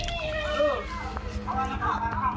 นักจิตเจ็บหรือนักจิต